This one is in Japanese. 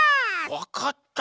わかった！